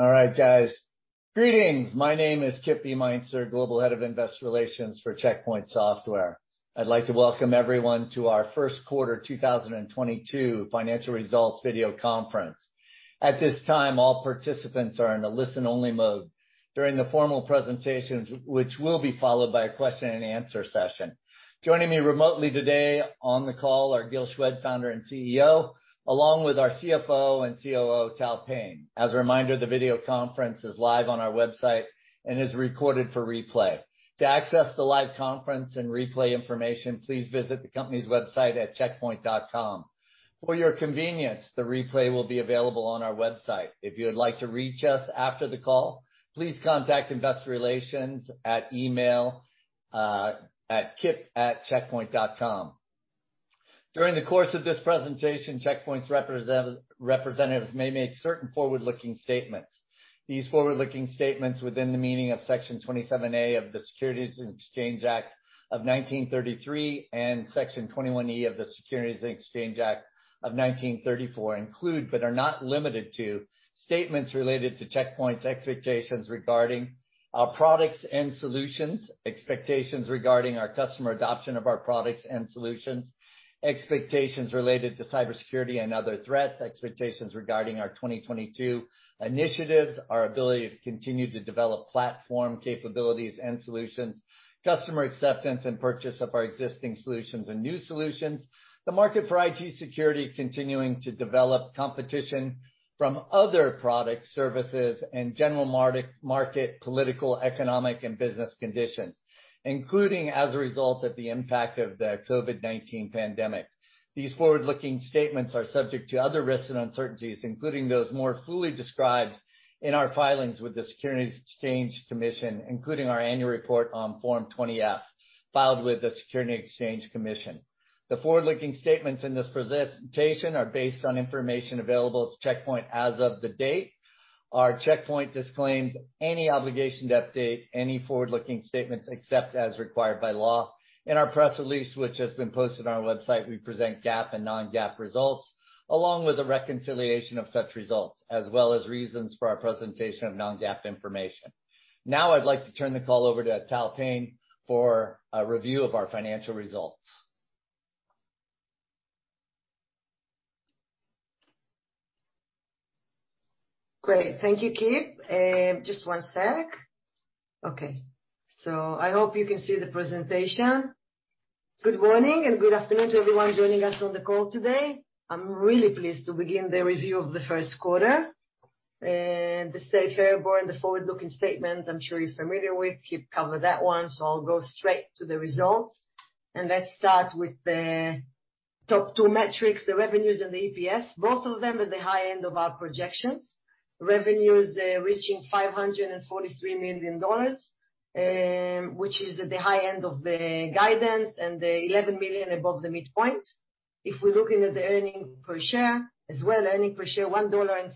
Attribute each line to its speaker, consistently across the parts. Speaker 1: All right, guys. Greetings. My name is Kip Meintzer, Global Head of Investor Relations for Check Point Software. I'd like to welcome everyone to our first quarter 2022 financial results video conference. At this time, all participants are in a listen-only mode during the formal presentations, which will be followed by a question and answer session. Joining me remotely today on the call are Gil Shwed, Founder and CEO, along with our CFO and COO, Tal Payne. As a reminder, the video conference is live on our website and is recorded for replay. To access the live conference and replay information, please visit the company's website at checkpoint.com. For your convenience, the replay will be available on our website. If you would like to reach us after the call, please contact Investor Relations at email at kip@checkpoint.com. During the course of this presentation, Check Point's representatives may make certain forward-looking statements. These forward-looking statements within the meaning of Section 27A of the Securities Act of 1933 and Section 21E of the Securities Exchange Act of 1934 include, but are not limited to, statements related to Check Point's expectations regarding our products and solutions. Expectations regarding our customer adoption of our products and solutions, expectations related to cybersecurity and other threats, expectations regarding our 2022 initiatives, our ability to continue to develop platform capabilities and solutions, customer acceptance and purchase of our existing solutions and new solutions. The market for IT security continuing to develop, competition from other products, services, and general market, political, economic, and business conditions, including as a result of the impact of the COVID-19 pandemic. These forward-looking statements are subject to other risks and uncertainties, including those more fully described in our filings with the Securities and Exchange Commission, including our annual report on Form 20-F, filed with the Securities and Exchange Commission. The forward-looking statements in this presentation are based on information available to Check Point as of the date. Check Point disclaims any obligation to update any forward-looking statements, except as required by law. In our press release, which has been posted on our website, we present GAAP and non-GAAP results, along with a reconciliation of such results, as well as reasons for our presentation of non-GAAP information. Now I'd like to turn the call over to Tal Payne for a review of our financial results.
Speaker 2: Great. Thank you, Kip. I hope you can see the presentation. Good morning and good afternoon to everyone joining us on the call today. I'm really pleased to begin the review of the first quarter. The safe harbor and the forward-looking statement, I'm sure you're familiar with. Kip covered that one, so I'll go straight to the results. Let's start with the top two metrics, the revenues and the EPS, both of them at the high end of our projections. Revenues reaching $543 million, which is at the high end of the guidance and $11 million above the midpoint. If we're looking at the earnings per share as well, earnings per share, $1.57.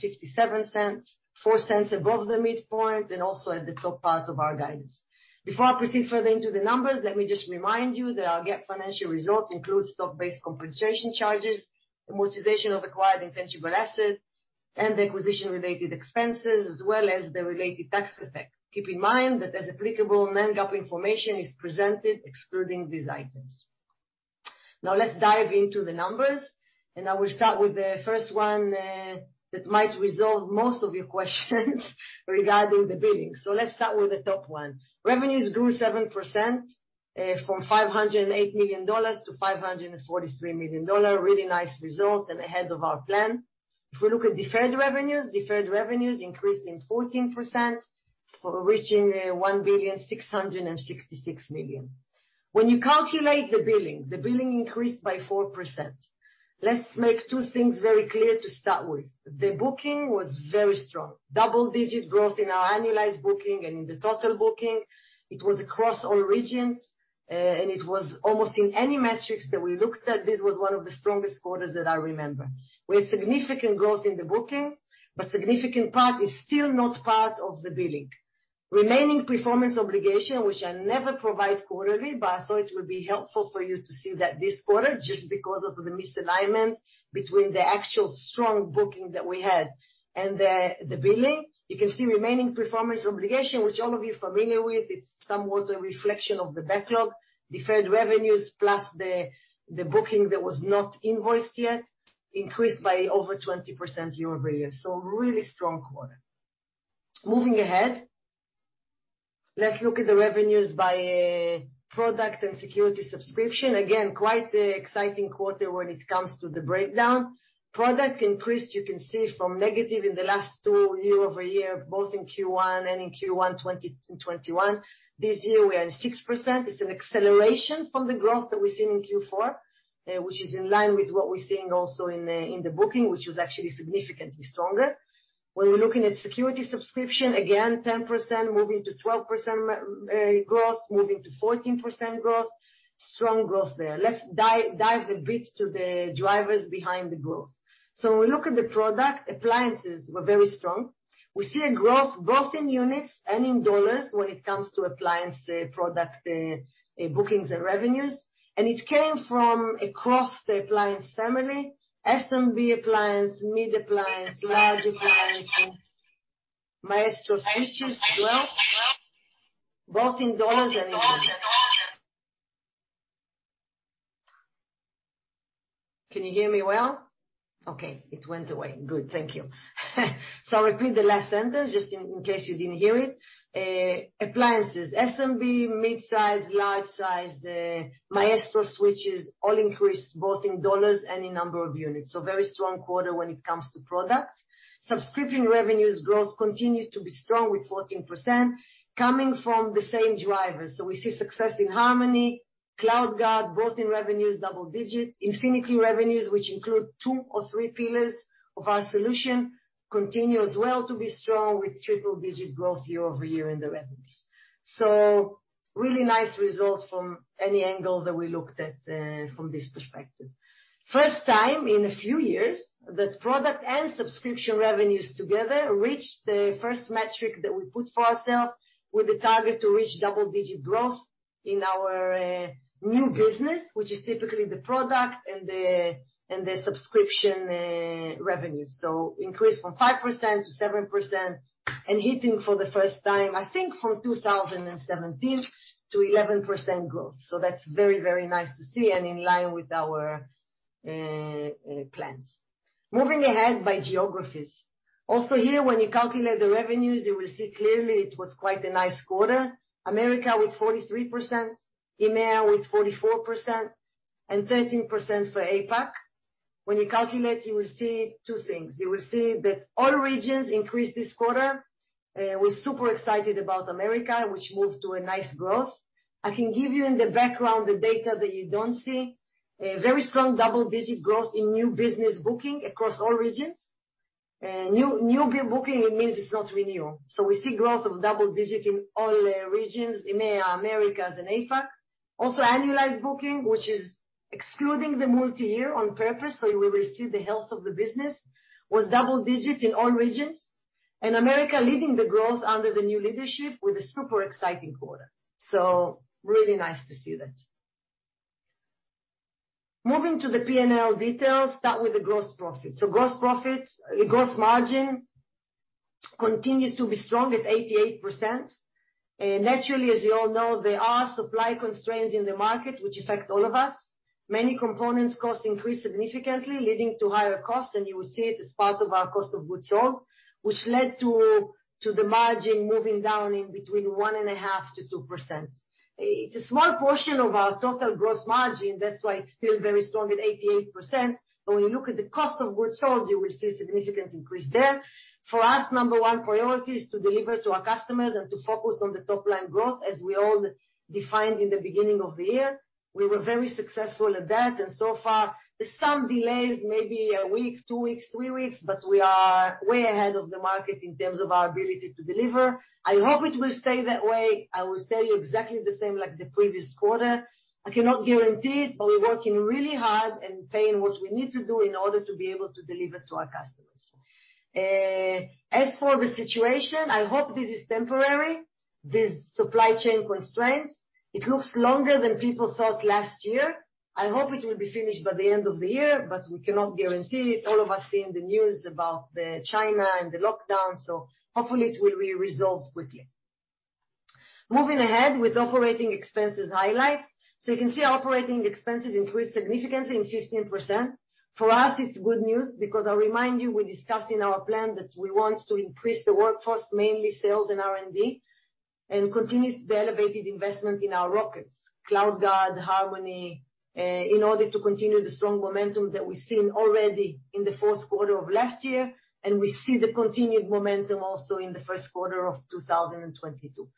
Speaker 2: $0.04 above the midpoint and also at the top part of our guidance. Before I proceed further into the numbers, let me just remind you that our GAAP financial results include stock-based compensation charges, amortization of acquired intangible assets and acquisition-related expenses, as well as the related tax effect. Keep in mind that as applicable, non-GAAP information is presented excluding these items. Now let's dive into the numbers, and I will start with the first one that might resolve most of your questions regarding the billing. Let's start with the top one. Revenues grew 7% from $508 million to $543 million. Really nice results and ahead of our plan. If we look at deferred revenues, deferred revenues increased by 14% to $1,666 million. When you calculate the billing, the billing increased by 4%. Let's make two things very clear to start with. The booking was very strong. Double-digit growth in our annualized booking and in the total booking. It was across all regions. It was almost in any metrics that we looked at, this was one of the strongest quarters that I remember. We had significant growth in the booking, but significant part is still not part of the billing. Remaining performance obligation, which I never provide quarterly, but I thought it would be helpful for you to see that this quarter, just because of the misalignment between the actual strong booking that we had and the billing. You can see remaining performance obligation, which all of you are familiar with. It's somewhat a reflection of the backlog. Deferred revenues plus the booking that was not invoiced yet increased by over 20% year-over-year. Really strong quarter. Moving ahead, let's look at the revenues by product and security subscription. Again, quite an exciting quarter when it comes to the breakdown. Product increased, you can see from negative in the last two year-over-year, both in Q1 and in Q1 2021. This year we are in 6%. It's an acceleration from the growth that we've seen in Q4, which is in line with what we're seeing also in the booking, which was actually significantly stronger. When we're looking at security subscription, again, 10% moving to 12% growth, moving to 14% growth. Strong growth there. Let's dive a bit to the drivers behind the growth. So when we look at the product, appliances were very strong. We see a growth both in units and in dollars when it comes to appliance product bookings and revenues. It came from across the appliance family, SMB appliance, mid appliance, large appliance, Maestro switches as well, both in dollars and in units. Can you hear me well? Okay, it went away. Good. Thank you. I'll repeat the last sentence just in case you didn't hear it. Appliances, SMB, mid-size, large-size, Maestro switches, all increased both in dollars and in number of units. Very strong quarter when it comes to product. Subscription revenues growth continued to be strong with 14% coming from the same drivers. We see success in Harmony, CloudGuard, both in revenues double-digit. Infinity revenues, which include two or three pillars of our solution, continue as well to be strong with triple-digit growth year-over-year in the revenues. Really nice results from any angle that we looked at, from this perspective. First time in a few years that product and subscription revenues together reached the first metric that we put for ourself with the target to reach double-digit growth in our new business, which is typically the product and the subscription revenues. Increased from 5% to 7% and hitting for the first time, I think from 2017 to 11% growth. That's very, very nice to see and in line with our plans. Moving ahead by geographies. Also here, when you calculate the revenues, you will see clearly it was quite a nice quarter. America with 43%, EMEA with 44%, and 13% for APAC. When you calculate, you will see two things. You will see that all regions increased this quarter. We're super excited about America, which moved to a nice growth. I can give you in the background the data that you don't see. A very strong double-digit growth in new business booking across all regions. New booking, it means it's not renewal. We see growth of double-digit in all regions, EMEA, Americas and APAC. Also annualized booking, which is excluding the multi-year on purpose, so you will receive the health of the business, was double-digit in all regions. Americas leading the growth under the new leadership with a super exciting quarter. Really nice to see that. Moving to the P&L details, start with the gross profit. Gross profit, gross margin continues to be strong at 88%. Naturally, as you all know, there are supply constraints in the market which affect all of us. Many components cost increased significantly, leading to higher cost, and you will see it as part of our cost of goods sold, which led to the margin moving down in between 1.5%-2%. It's a small portion of our total gross margin, that's why it's still very strong at 88%. When you look at the cost of goods sold, you will see a significant increase there. For us, number one priority is to deliver to our customers and to focus on the top line growth, as we all defined in the beginning of the year. We were very successful at that, and so far, there's some delays, maybe a week, two weeks, three weeks, but we are way ahead of the market in terms of our ability to deliver. I hope it will stay that way. I will tell you exactly the same like the previous quarter. I cannot guarantee it, but we're working really hard and doing what we need to do in order to be able to deliver to our customers. As for the situation, I hope this is temporary, these supply chain constraints. It looks longer than people thought last year. I hope it will be finished by the end of the year, but we cannot guarantee it. All of us seen the news about the China and the lockdown, so hopefully it will be resolved quickly. Moving ahead with operating expenses highlights. You can see our operating expenses increased significantly by 15%. For us, it's good news because I'll remind you, we discussed in our plan that we want to increase the workforce, mainly sales and R&D, and continue the elevated investment in our Quantum, CloudGuard, Harmony, in order to continue the strong momentum that we've seen already in the fourth quarter of last year, and we see the continued momentum also in the first quarter of 2022.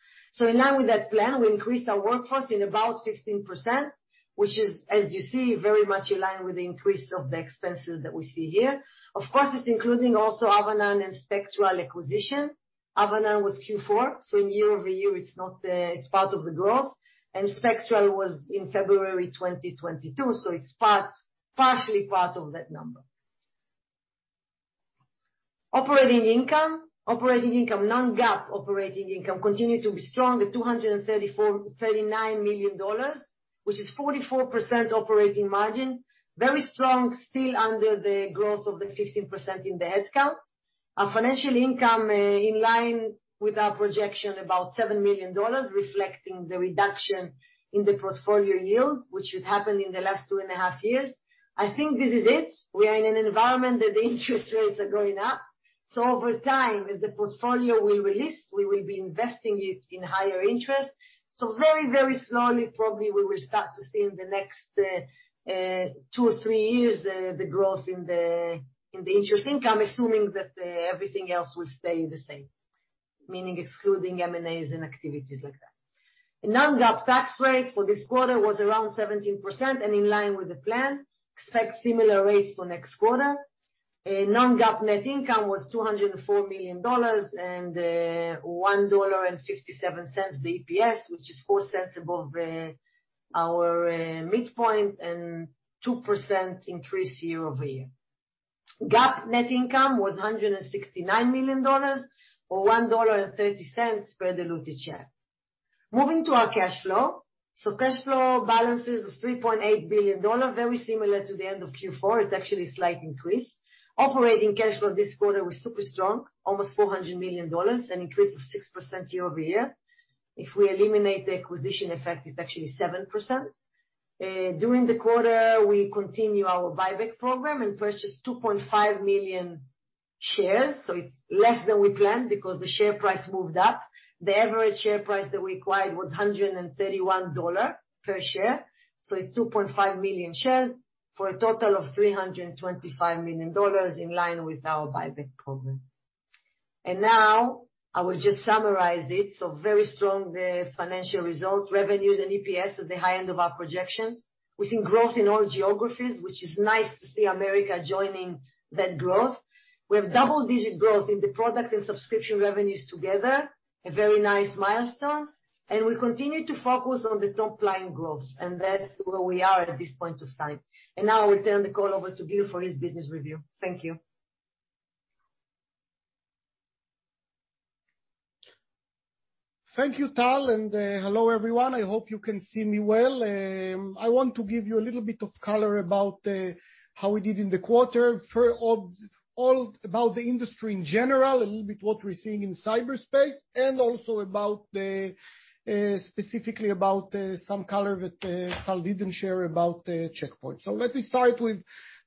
Speaker 2: In line with that plan, we increased our workforce in about 15%, which is, as you see, very much in line with the increase of the expenses that we see here. Of course, it's including also Avanan and Spectral acquisition. Avanan was Q4, so in year-over-year it's not, it's part of the growth. Spectral was in February 2022, so it's partially part of that number. Operating income. Operating income, non-GAAP operating income continued to be strong at $234.39 million, which is 44% operating margin. Very strong, still under the growth of the 15% in the headcount. Our financial income in line with our projection, about $7 million, reflecting the reduction in the portfolio yield, which has happened in the last two and a half years. I think this is it. We are in an environment that interest rates are going up. Over time, as the portfolio we release, we will be investing it in higher interest. Very, very slowly, probably we will start to see in the next two or three years the growth in the interest income, assuming that everything else will stay the same, meaning excluding M&As and activities like that. Non-GAAP tax rate for this quarter was around 17% and in line with the plan. Expect similar rates for next quarter. Non-GAAP net income was $204 million and $1.57 the EPS, which is $0.04 above our midpoint and 2% increase year-over-year. GAAP net income was $169 million or $1.30 per diluted share. Moving to our cash flow. Cash balances $3.8 billion, very similar to the end of Q4. It's actually a slight increase. Operating cash flow this quarter was super strong, almost $400 million, an increase of 6% year-over-year. If we eliminate the acquisition effect, it's actually 7%. During the quarter, we continue our buyback program and purchased 2.5 million shares, so it's less than we planned because the share price moved up. The average share price that we acquired was $131 per share, so it's 2.5 million shares for a total of $325 million in line with our buyback program. Now I will just summarize it. Very strong, the financial results, revenues and EPS at the high end of our projections. We've seen growth in all geographies, which is nice to see America joining that growth. We have double-digit growth in the product and subscription revenues together, a very nice milestone, and we continue to focus on the top-line growth, and that's where we are at this point of time. Now I will turn the call over to Gil for his business review. Thank you.
Speaker 3: Thank you, Tal, and hello, everyone. I hope you can see me well. I want to give you a little bit of color about how we did in the quarter about the industry in general, a little bit what we're seeing in cyberspace, and also specifically about some color that Tal didn't share about Check Point. Let me start with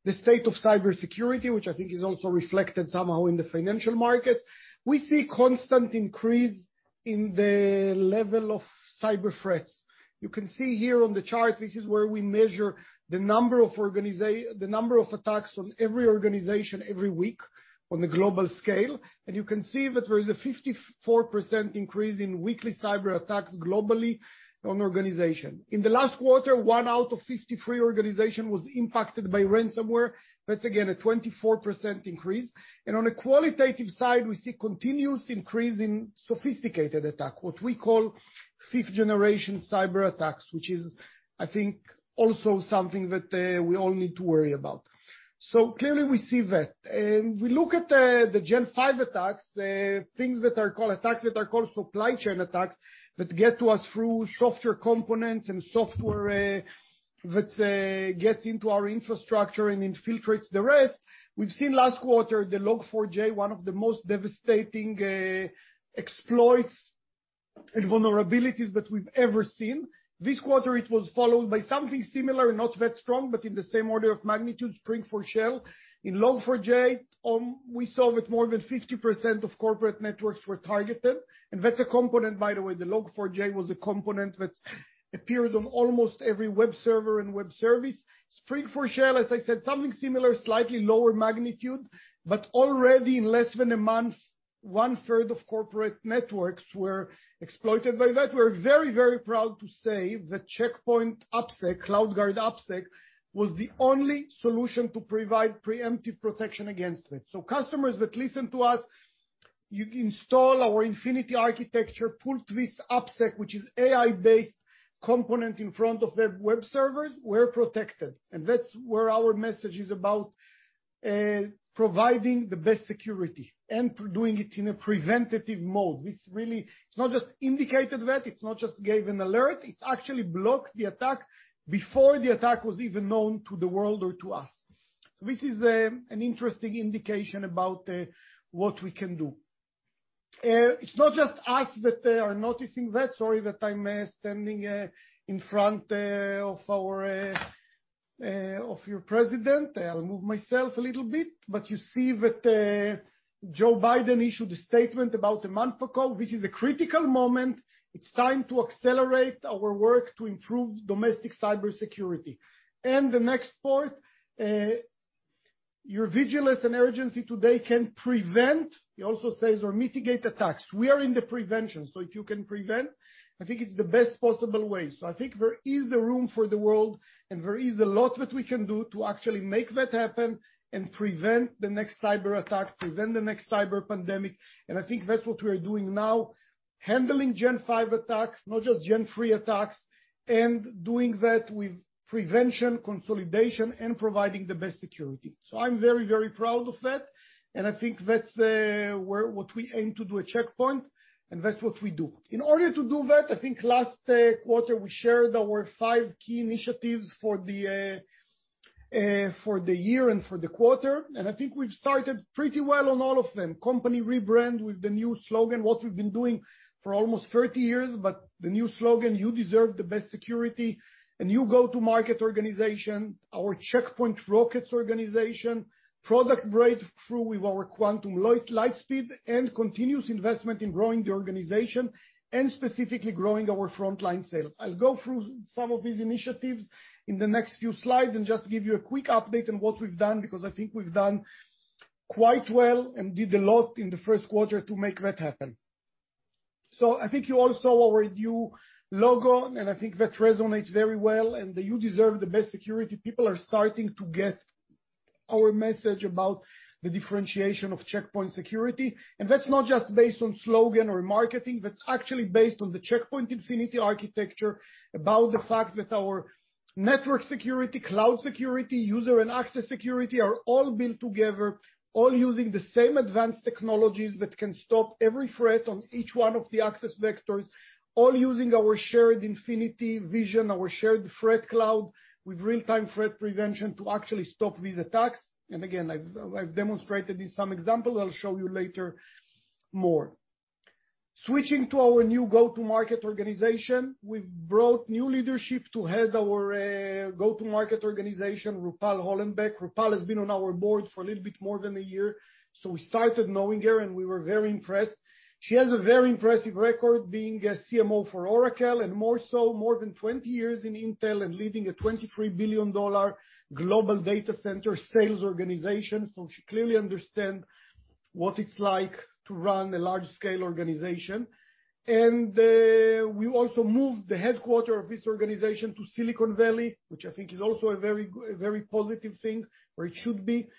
Speaker 3: the state of cybersecurity, which I think is also reflected somehow in the financial markets. We see constant increase in the level of cyber threats. You can see here on the chart, this is where we measure the number of attacks on every organization every week on the global scale. You can see that there is a 54% increase in weekly cyber attacks globally on organization. In the last quarter, one out of 53 organizations was impacted by ransomware. That's again a 24% increase. On a qualitative side, we see continuous increase in sophisticated attacks, what we call fifth generation cyber attacks, which is, I think, also something that we all need to worry about. Clearly we see that. We look at the gen five attacks that are called supply chain attacks that get to us through software components and software that gets into our infrastructure and infiltrates the rest. We've seen last quarter, the Log4j, one of the most devastating exploits and vulnerabilities that we've ever seen. This quarter, it was followed by something similar, not that strong, but in the same order of magnitude, Spring4Shell. In Log4j, we saw that more than 50% of corporate networks were targeted. That's a component, by the way, the Log4j was a component that appeared on almost every web server and web service. Spring4Shell, as I said, something similar, slightly lower magnitude, but already in less than a month, 1/3 of corporate networks were exploited by that. We're very, very proud to say that Check Point AppSec, CloudGuard AppSec was the only solution to provide preemptive protection against it. Customers that listen to us, you install our Infinity Architecture, put this AppSec, which is AI-based component in front of web servers, we're protected. That's where our message is about providing the best security and doing it in a preventative mode, which really it's not just indicated that, it's not just gave an alert, it actually blocked the attack before the attack was even known to the world or to us. This is an interesting indication about what we can do. It's not just us that are noticing that. Sorry that I'm standing in front of your president. I'll move myself a little bit. You see that Joe Biden issued a statement about a month ago, "This is a critical moment. It's time to accelerate our work to improve domestic cybersecurity." The next part, "Your vigilance and urgency today can prevent," he also says, "or mitigate attacks." We are in the prevention, so if you can prevent, I think it's the best possible way. I think there is a room for the world, and there is a lot that we can do to actually make that happen and prevent the next cyber attack, prevent the next cyber pandemic. I think that's what we are doing now, handling gen five attacks, not just gen three attacks, and doing that with prevention, consolidation, and providing the best security. I'm very, very proud of that, and I think that's where what we aim to do at Check Point, and that's what we do. In order to do that, I think last quarter, we shared our five key initiatives for the year and for the quarter, and I think we've started pretty well on all of them. Company rebrand with the new slogan, what we've been doing for almost 30 years, but the new slogan, you deserve the best security. A new go-to-market organization, our Check Point Rockets organization, product breakthrough with our Quantum Lightspeed, and continuous investment in growing the organization and specifically growing our frontline sales. I'll go through some of these initiatives in the next few slides and just give you a quick update on what we've done, because I think we've done quite well and did a lot in the first quarter to make that happen. I think you all saw our new logo, and I think that resonates very well. You deserve the best security. People are starting to get our message about the differentiation of Check Point Security, and that's not just based on slogan or marketing, that's actually based on the Check Point Infinity Architecture, about the fact that our network security, cloud security, user and access security are all built together, all using the same advanced technologies that can stop every threat on each one of the access vectors, all using our shared Infinity vision, our shared ThreatCloud with real-time threat prevention to actually stop these attacks. I've demonstrated in some example, I'll show you later more. Switching to our new go-to-market organization, we've brought new leadership to head our go-to-market organization, Rupal Hollenbeck. Rupal has been on our board for a little bit more than a year, so we started knowing her, and we were very impressed. She has a very impressive record being a CMO for Oracle and more than 20 years in Intel and leading a $23 billion global data center sales organization. She clearly understands what it's like to run a large-scale organization. We also moved the headquarters of this organization to Silicon Valley, which I think is also a very positive thing, where it should be.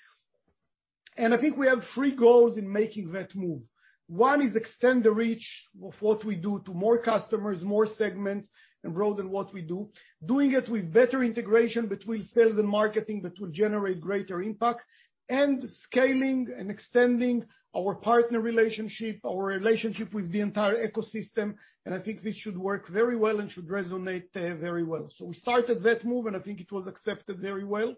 Speaker 3: I think we have three goals in making that move. One is extend the reach of what we do to more customers, more segments, and broaden what we do, doing it with better integration between sales and marketing that will generate greater impact. Scaling and extending our partner relationship, our relationship with the entire ecosystem, and I think this should work very well and should resonate very well. We started that move, and I think it was accepted very well.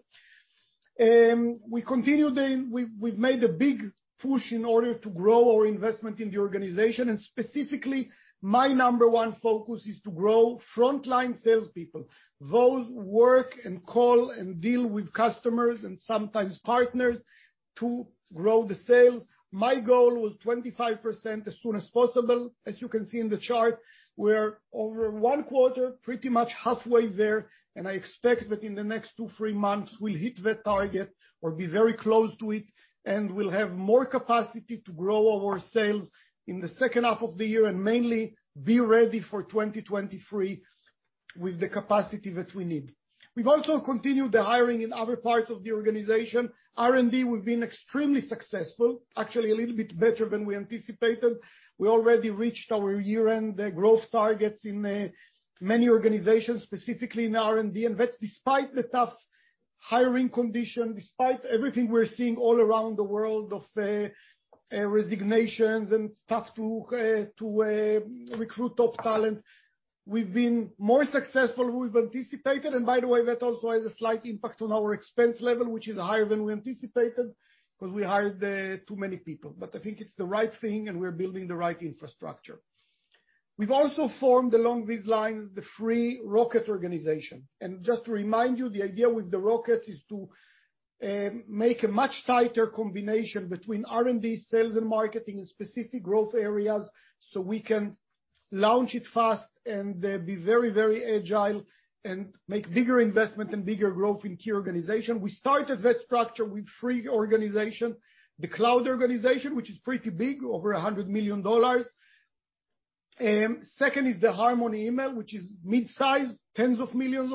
Speaker 3: We continued and we've made a big push in order to grow our investment in the organization, and specifically, my number one focus is to grow frontline salespeople. Those who work and call and deal with customers and sometimes partners to grow the sales. My goal was 25% as soon as possible. As you can see in the chart, we're over one quarter, pretty much halfway there, and I expect that in the next two, three months, we'll hit that target or be very close to it, and we'll have more capacity to grow our sales in the second half of the year, and mainly be ready for 2023 with the capacity that we need. We've also continued the hiring in other parts of the organization. R&D, we've been extremely successful, actually a little bit better than we anticipated. We already reached our year-end growth targets in many organizations, specifically in R&D, and that's despite the tough hiring conditions, despite everything we're seeing all around the world of resignations and tough to recruit top talent. We've been more successful than we've anticipated, and by the way, that also has a slight impact on our expense level, which is higher than we anticipated 'cause we hired too many people. I think it's the right thing and we're building the right infrastructure. We've also formed, along these lines, the free Rocket organization. Just to remind you, the idea with the Rockets is to make a much tighter combination between R&D, sales and marketing in specific growth areas, so we can launch it fast and be very, very agile and make bigger investment and bigger growth in key organization. We started that structure with three organization. The cloud organization, which is pretty big, over $100 million. Second is the Harmony Email, which is mid-size, $10s of millions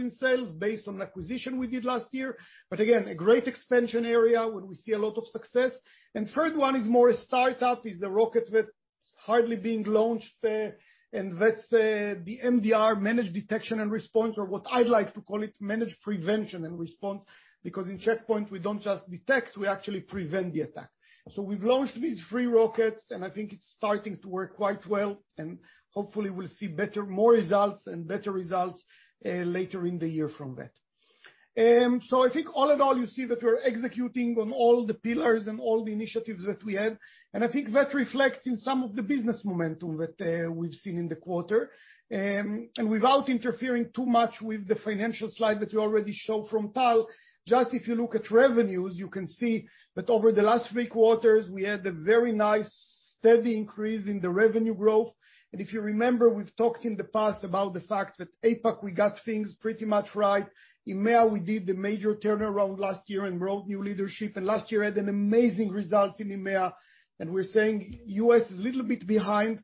Speaker 3: in sales based on acquisition we did last year. Again, a great expansion area where we see a lot of success. Third one is more a startup, a rocket that's hardly being launched, and that's the MDR, Managed Detection and Response, or what I like to call it, Managed Prevention and Response, because in Check Point, we don't just detect, we actually prevent the attack. We've launched these three rockets, and I think it's starting to work quite well, and hopefully we'll see better results later in the year from that. I think all in all, you see that we're executing on all the pillars and all the initiatives that we had, and I think that reflects in some of the business momentum that we've seen in the quarter. Without interfering too much with the financial slide that you already show from Tal, just if you look at revenues, you can see that over the last three quarters, we had a very nice steady increase in the revenue growth. If you remember, we've talked in the past about the fact that APAC, we got things pretty much right. EMEA, we did the major turnaround last year and brought new leadership, and last year had an amazing result in EMEA. We're saying US is a little bit behind.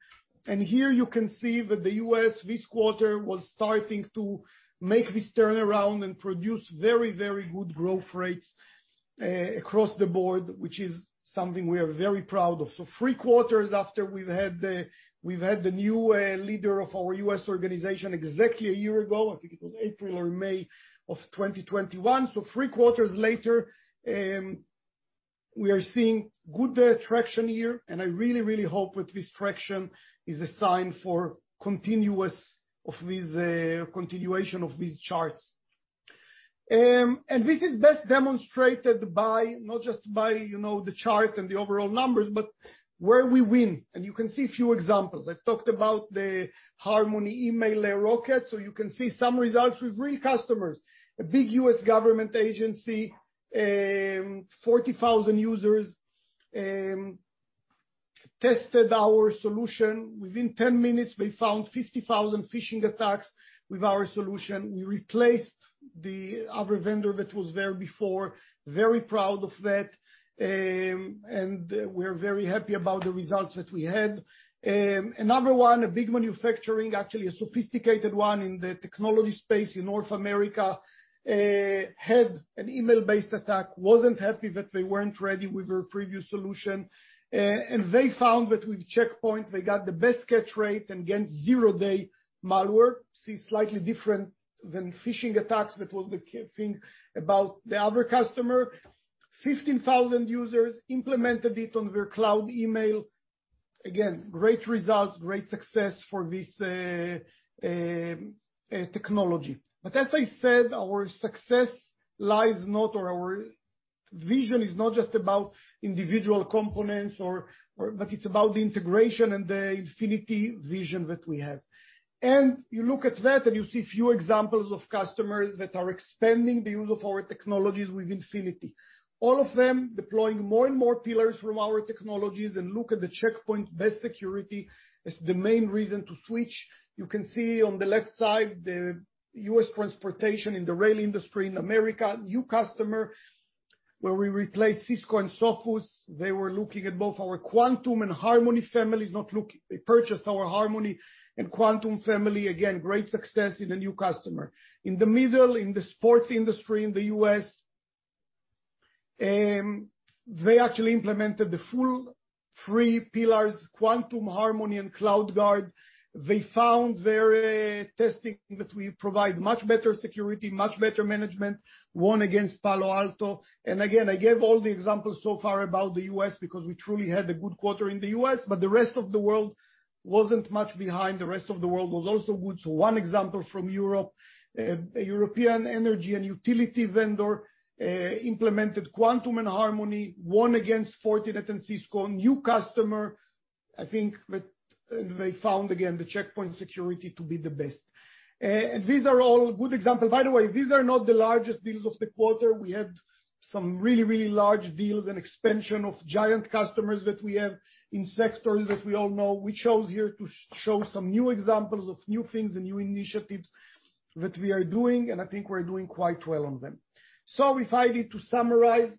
Speaker 3: Here you can see that the US this quarter was starting to make this turnaround and produce very, very good growth rates across the board, which is something we are very proud of. Three quarters after we've had the new leader of our U.S. organization exactly a year ago, I think it was April or May of 2021. Three quarters later, we are seeing good traction here, and I really hope that this traction is a sign of continuation of these charts. This is best demonstrated by not just you know the chart and the overall numbers, but where we win. You can see a few examples. I've talked about the Harmony Email Rocket, so you can see some results with real customers. A big U.S. government agency, 40,000 users. They tested our solution. Within 10 minutes, they found 50,000 phishing attacks with our solution. We replaced the other vendor that was there before. Very proud of that. We're very happy about the results that we had. Another one, a big manufacturing, actually a sophisticated one in the technology space in North America, had an email-based attack, wasn't happy that they weren't ready with their previous solution. They found that with Check Point, they got the best catch rate against zero-day malware. See, slightly different than phishing attacks. That was the key thing about the other customer. 15,000 users implemented it on their cloud email. Again, great results, great success for this technology. But as I said, our vision is not just about individual components but it's about the integration and the Infinity vision that we have. You look at that, and you see a few examples of customers that are expanding the use of our technologies with Infinity. All of them deploying more and more pillars from our technologies. Look at the Check Point best security as the main reason to switch. You can see on the left side, the U.S. transportation in the rail industry in America, new customer, where we replaced Cisco and Sophos. They were looking at both our Quantum and Harmony families. They purchased our Harmony and Quantum family. Again, great success in a new customer. In the middle, in the sports industry in the U.S., they actually implemented the full three pillars, Quantum, Harmony, and CloudGuard. They found their testing that we provide much better security, much better management, won against Palo Alto. Again, I gave all the examples so far about the U.S. because we truly had a good quarter in the U.S. The rest of the world wasn't much behind. The rest of the world was also good. One example from Europe, a European energy and utility vendor, implemented Quantum and Harmony, won against Fortinet and Cisco. New customer, I think that they found again, the Check Point security to be the best. These are all good examples. By the way, these are not the largest deals of the quarter. We had some really, really large deals and expansion of giant customers that we have in sectors that we all know. We chose here to show some new examples of new things and new initiatives that we are doing, and I think we're doing quite well on them. If I need to summarize,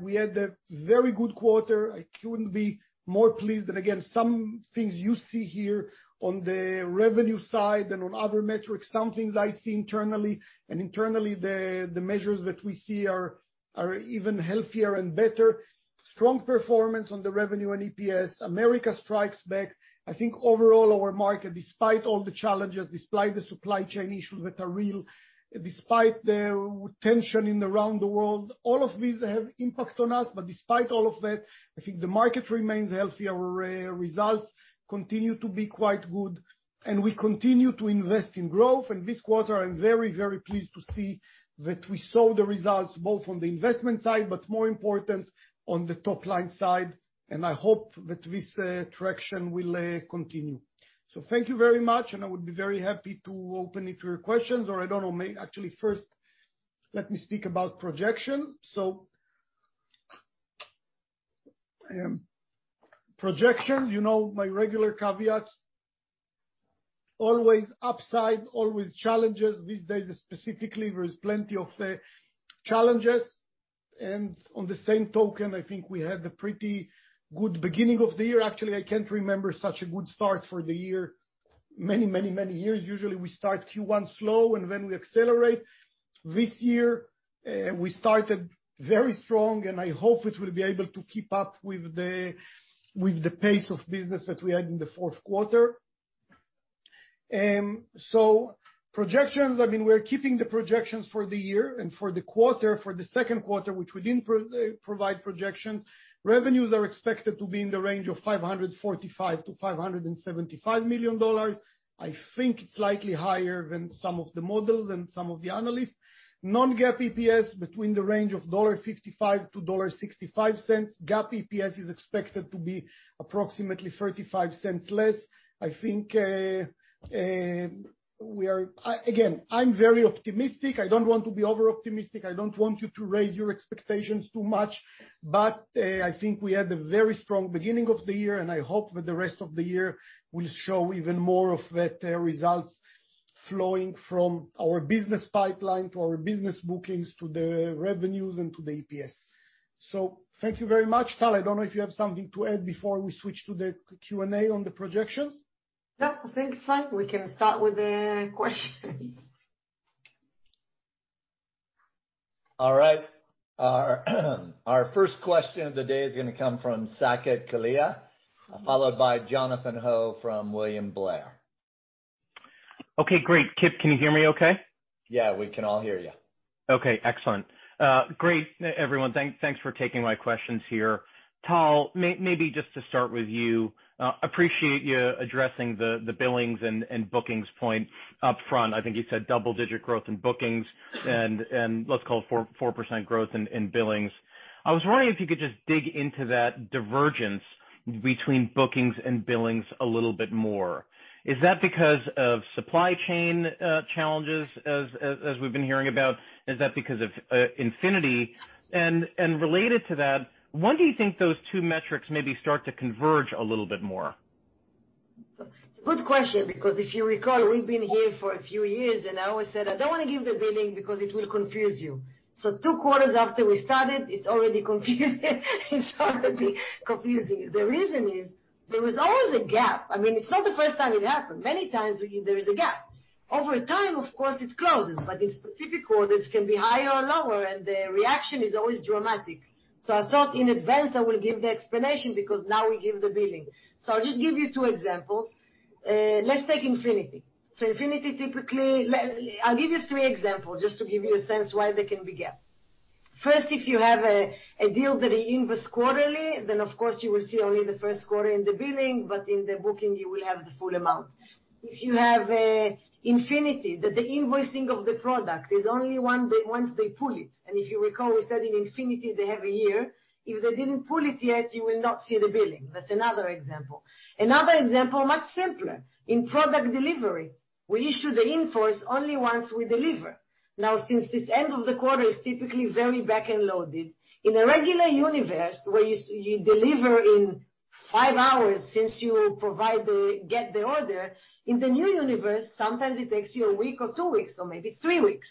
Speaker 3: we had a very good quarter. I couldn't be more pleased. Again, some things you see here on the revenue side and on other metrics, some things I see internally, and internally the measures that we see are even healthier and better. Strong performance on the revenue and EPS. America strikes back. I think overall our market, despite all the challenges, despite the supply chain issues that are real, despite the tension in and around the world, all of these have impact on us. But despite all of that, I think the market remains healthy, our results continue to be quite good, and we continue to invest in growth. This quarter, I'm very, very pleased to see that we saw the results both on the investment side, but more important, on the top line side, and I hope that this traction will continue. Thank you very much, and I would be very happy to open it to your questions, or I don't know, actually first let me speak about projections. Projections, you know my regular caveats, always upside, always challenges. These days specifically, there is plenty of challenges. On the same token, I think we had a pretty good beginning of the year. Actually, I can't remember such a good start for the year, many years. Usually, we start Q1 slow, and then we accelerate. This year, we started very strong, and I hope it will be able to keep up with the pace of business that we had in the fourth quarter. Projections, I mean, we're keeping the projections for the year and for the quarter. For the second quarter, which we didn't provide projections, revenues are expected to be in the range of $545 million-$575 million. I think it's slightly higher than some of the models and some of the analysts. Non-GAAP EPS between the range of $0.55-$0.65. GAAP EPS is expected to be approximately $0.35 less. I think. Again, I'm very optimistic. I don't want to be over-optimistic. I don't want you to raise your expectations too much. I think we had a very strong beginning of the year, and I hope that the rest of the year will show even more of that, results flowing from our business pipeline to our business bookings, to the revenues and to the EPS. Thank you very much. Tal, I don't know if you have something to add before we switch to the Q&A on the projections?
Speaker 2: No, I think it's fine. We can start with the questions.
Speaker 1: All right. Our first question of the day is gonna come from Saket Kalia, followed by Jonathan Ho from William Blair.
Speaker 4: Okay, great. Kip, can you hear me okay?
Speaker 1: Yeah, we can all hear you.
Speaker 4: Okay, excellent. Great, everyone. Thanks for taking my questions here. Tal, maybe just to start with you. Appreciate you addressing the billings and bookings point upfront. I think you said double-digit growth in bookings and let's call it 4% growth in billings. I was wondering if you could just dig into that divergence between bookings and billings a little bit more. Is that because of supply chain challenges as we've been hearing about? Is that because of Infinity? And related to that, when do you think those two metrics maybe start to converge a little bit more?
Speaker 2: Good question, because if you recall, we've been here for a few years, and I always said, "I don't want to give the billing because it will confuse you." Two quarters after we started, it's already confusing you. The reason is there was always a gap. I mean, it's not the first time it happened. Many times there is a gap. Over time, of course, it's closing, but in specific quarters can be higher or lower, and the reaction is always dramatic. I thought in advance, I will give the explanation because now we give the billing. I'll just give you two examples. Let's take Infinity. Infinity, typically, I'll give you three examples just to give you a sense why there can be a gap. First, if you have a deal that they invoice quarterly, then of course you will see only the first quarter in the billing, but in the booking you will have the full amount. If you have Infinity, that the invoicing of the product is only once they pull it, and if you recall, we said in Infinity, they have a year. If they didn't pull it yet, you will not see the billing. That's another example. Another example, much simpler. In product delivery, we issue the invoice only once we deliver. Now, since this end of the quarter is typically very back-loaded, in a regular universe where you deliver in five hours since you get the order, in the new universe, sometimes it takes you a week or two weeks or maybe three weeks.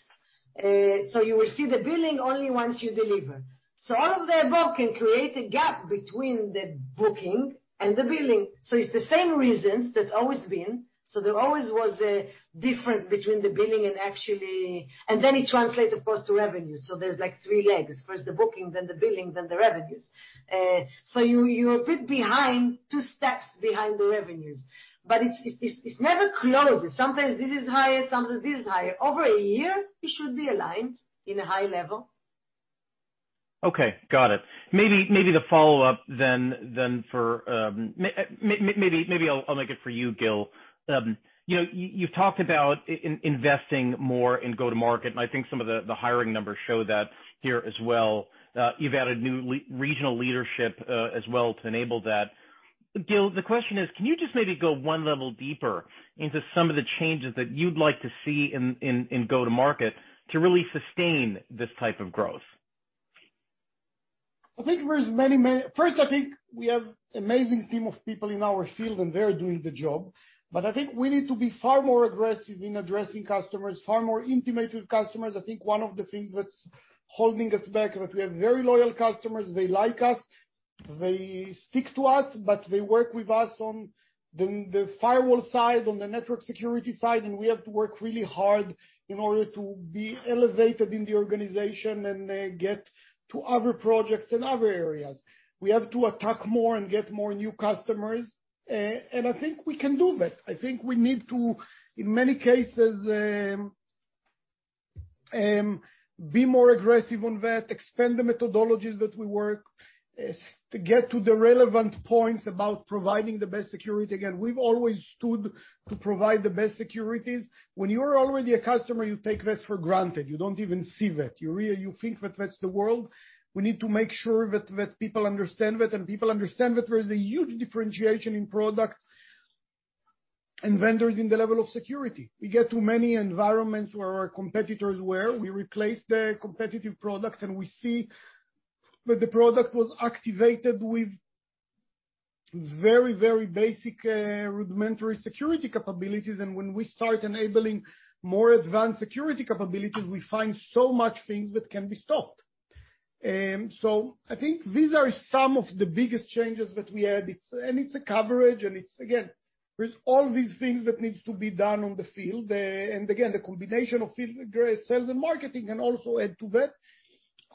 Speaker 2: You will see the billing only once you deliver. All of the above can create a gap between the booking and the billing. It's the same reasons that's always been. There always was a difference between the billing and actually. Then it translates, of course, to revenue. There's, like, three legs. First, the booking, then the billing, then the revenues. You, you're a bit behind, two steps behind the revenues. It's never close. Sometimes this is higher, sometimes this is higher. Over a year, it should be aligned in a high level.
Speaker 4: Okay. Got it. Maybe the follow-up then for maybe I'll make it for you, Gil. You know, you've talked about investing more in go-to-market, and I think some of the hiring numbers show that here as well. You've added new regional leadership as well to enable that. Gil, the question is, can you just maybe go one level deeper into some of the changes that you'd like to see in go-to-market to really sustain this type of growth?
Speaker 3: I think there's many. First, I think we have amazing team of people in our field, and they're doing the job. I think we need to be far more aggressive in addressing customers, far more intimate with customers. I think one of the things that's holding us back, that we have very loyal customers, they like us, they stick to us, but they work with us on the firewall side, on the network security side, and we have to work really hard in order to be elevated in the organization and get to other projects in other areas. We have to attack more and get more new customers. I think we can do that. I think we need to, in many cases, be more aggressive on that, expand the methodologies that we work to get to the relevant points about providing the best security. Again, we've always stood to provide the best security. When you are already a customer, you take that for granted. You don't even see that. You think that that's the world. We need to make sure that people understand that, and people understand that there is a huge differentiation in products and vendors in the level of security. We get to many environments where our competitors were. We replace their competitive product, and we see that the product was activated with very, very basic, rudimentary security capabilities. When we start enabling more advanced security capabilities, we find so many things that can be stopped. I think these are some of the biggest changes that we had. It's a coverage, and it's again, there's all these things that needs to be done on the field. Again, the combination of field, sales, and marketing can also add to that.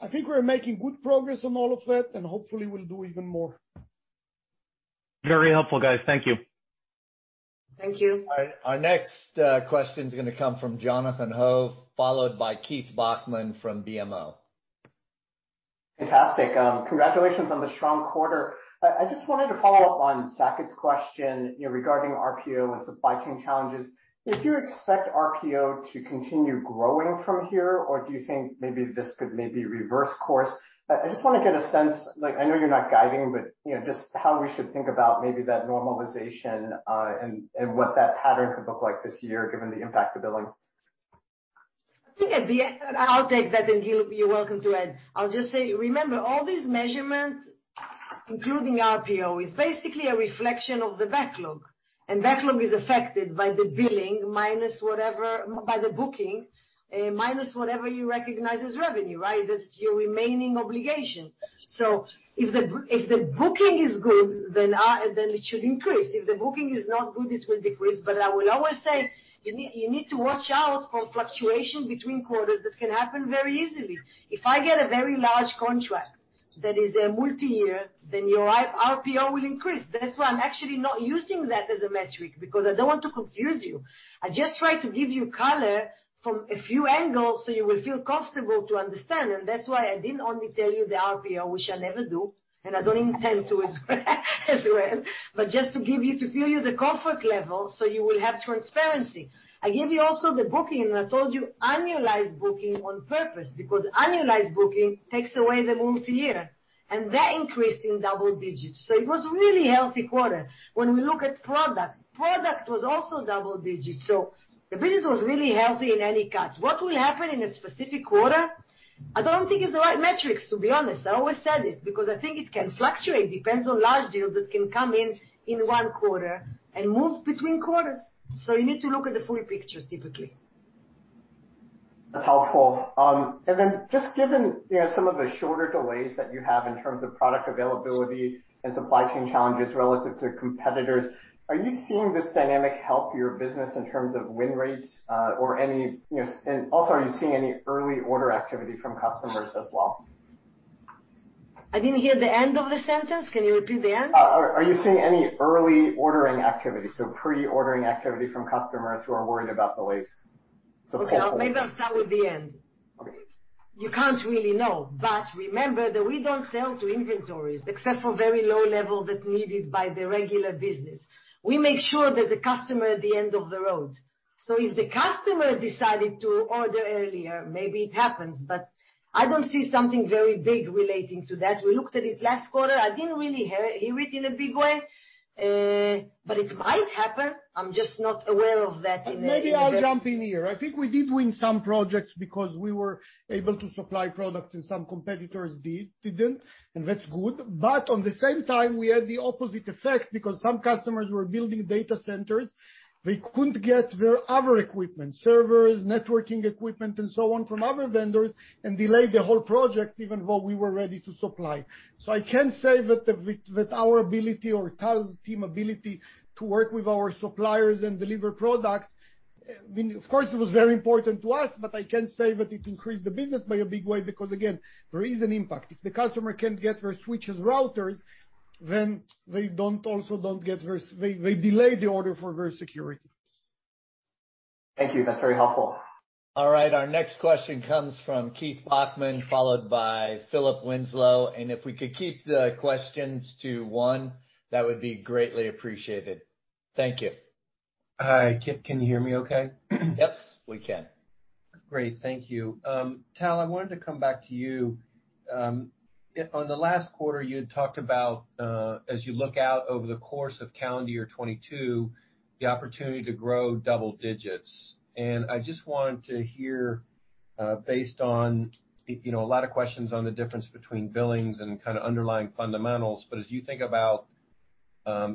Speaker 3: I think we're making good progress on all of that, and hopefully we'll do even more.
Speaker 4: Very helpful, guys. Thank you.
Speaker 2: Thank you.
Speaker 1: All right. Our next question is gonna come from Jonathan Ho, followed by Keith Bachman from BMO.
Speaker 5: Fantastic. Congratulations on the strong quarter. I just wanted to follow up on Saket's question, you know, regarding RPO and supply chain challenges. Do you expect RPO to continue growing from here, or do you think maybe this could reverse course? I just want to get a sense, like I know you're not guiding, but, you know, just how we should think about maybe that normalization, and what that pattern could look like this year given the impact to billings.
Speaker 2: I think at the end I'll take that, and Gil, you're welcome to add. I'll just say, remember, all these measurements, including RPO, is basically a reflection of the backlog, and backlog is affected by the booking, minus whatever you recognize as revenue, right? That's your remaining obligation. If the booking is good, then it should increase. If the booking is not good, it will decrease. I will always say, you need to watch out for fluctuation between quarters. That can happen very easily. If I get a very large contract that is a multi-year, then you're right, RPO will increase. That's why I'm actually not using that as a metric, because I don't want to confuse you. I just try to give you color from a few angles, so you will feel comfortable to understand. That's why I didn't only tell you the RPO, which I'll never do, and I don't intend to as well, but just to give you, to feel you the comfort level, so you will have transparency. I gave you also the booking, and I told you annualized booking on purpose because annualized booking takes away the multi-year, and that increased in double digits. It was really healthy quarter. When we look at product was also double digits, so the business was really healthy in any cut. What will happen in a specific quarter, I don't think it's the right metrics, to be honest. I always said it because I think it can fluctuate, depends on large deals that can come in in one quarter and move between quarters. You need to look at the full picture, typically.
Speaker 5: That's helpful. Given, you know, some of the shorter delays that you have in terms of product availability and supply chain challenges relative to competitors, are you seeing this dynamic help your business in terms of win rates, or any, you know? Also, are you seeing any early order activity from customers as well?
Speaker 2: I didn't hear the end of the sentence. Can you repeat the end?
Speaker 5: Are you seeing any early ordering activity, so pre-ordering activity from customers who are worried about delays?
Speaker 2: Okay. Maybe I'll start with the end.
Speaker 5: Okay.
Speaker 2: You can't really know. Remember that we don't sell to inventories, except for very low level that's needed by the regular business. We make sure there's a customer at the end of the road. If the customer decided to order earlier, maybe it happens, but I don't see something very big relating to that. We looked at it last quarter. I didn't really hear it in a big way. It might happen. I'm just not aware of that.
Speaker 3: Maybe I'll jump in here. I think we did win some projects because we were able to supply products and some competitors didn't, and that's good. On the same time, we had the opposite effect because some customers were building data centers. They couldn't get their other equipment, servers, networking equipment, and so on, from other vendors, and delayed the whole project even while we were ready to supply. I can say that with our ability or Tal's team ability to work with our suppliers and deliver products, I mean, of course it was very important to us, but I can't say that it increased the business by a big way because, again, there is an impact. If the customer can't get their switches, routers, then they don't get their. They delay the order for their security.
Speaker 5: Thank you. That's very helpful.
Speaker 1: All right. Our next question comes from Keith Bachman, followed by Philip Winslow. If we could keep the questions to one, that would be greatly appreciated. Thank you.
Speaker 6: Hi. Kip, can you hear me okay?
Speaker 1: Yes, we can.
Speaker 6: Great. Thank you. Tal, I wanted to come back to you. On the last quarter, you had talked about, as you look out over the course of calendar year 2022, the opportunity to grow double digits. I just wanted to hear, based on you know a lot of questions on the difference between billings and kind of underlying fundamentals. As you think about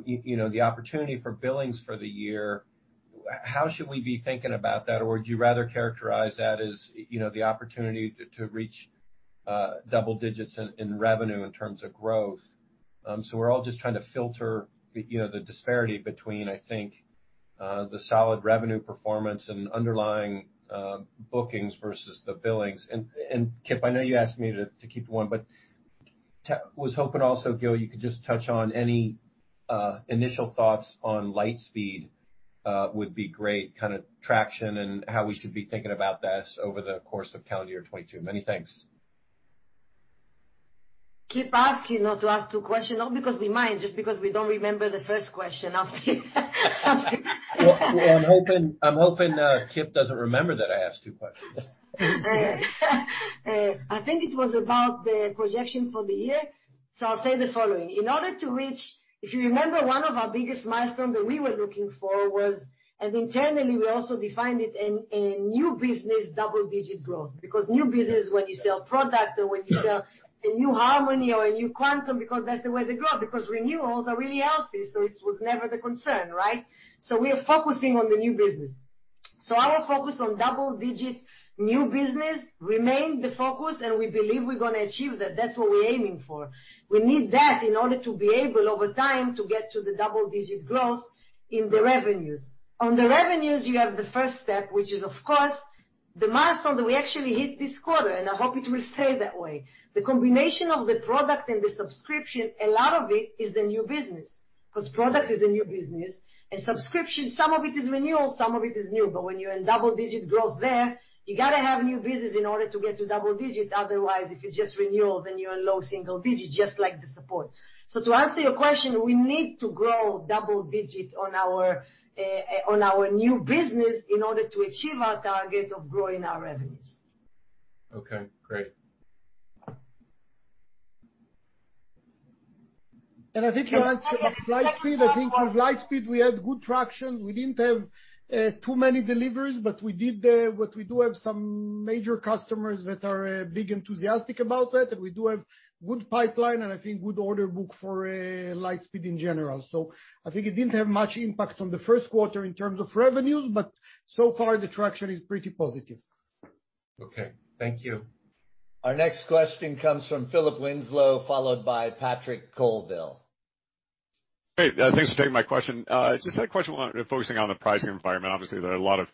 Speaker 6: you know the opportunity for billings for the year, how should we be thinking about that? Would you rather characterize that as you know the opportunity to reach double digits in revenue in terms of growth? We're all just trying to filter you know the disparity between, I think, the solid revenue performance and underlying bookings versus the billings. Kip, I know you asked me to keep to one, but was hoping also, Gil, you could just touch on any initial thoughts on Lightspeed, would be great, kind of traction and how we should be thinking about this over the course of calendar year 2022. Many thanks.
Speaker 2: Kip asking not to ask two questions, not because we mind, just because we don't remember the first question after.
Speaker 6: Well, I'm hoping Kip doesn't remember that I asked two questions.
Speaker 2: I think it was about the projection for the year. I'll say the following. In order to reach. If you remember, one of our biggest milestone that we were looking for was, and internally, we also defined it in a new business, double-digit growth. Because new business, when you sell product or when you sell a new Harmony or a new Quantum, because that's the way they grow, because renewals are really healthy, so it was never the concern, right? We are focusing on the new business. Our focus on double digits, new business remained the focus, and we believe we're gonna achieve that. That's what we're aiming for. We need that in order to be able, over time, to get to the double-digit growth in the revenues. On the revenues, you have the first step, which is, of course, the milestone that we actually hit this quarter, and I hope it will stay that way. The combination of the product and the subscription, a lot of it is the new business, 'cause product is a new business. Subscription, some of it is renewal, some of it is new. When you're in double-digit growth there, you gotta have new business in order to get to double digits. Otherwise, if it's just renewal, then you're in low single digits, just like the support. To answer your question, we need to grow double digits on our, on our new business in order to achieve our target of growing our revenues.
Speaker 6: Okay, great.
Speaker 3: I think to answer on Lightspeed, I think with Lightspeed, we had good traction. We didn't have too many deliveries, but we do have some major customers that are big enthusiastic about that. We do have good pipeline, and I think good order book for Lightspeed in general. I think it didn't have much impact on the first quarter in terms of revenues, but so far, the traction is pretty positive.
Speaker 6: Okay, thank you.
Speaker 1: Our next question comes from Philip Winslow, followed by Patrick Colville.
Speaker 7: Hey, thanks for taking my question. Just had a question focusing on the pricing environment. Obviously, there are a lot of